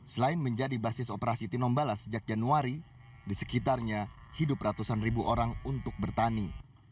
selain menjadi basis operasi tinombala sejak januari di sekitarnya hidup ratusan ribu orang untuk bertani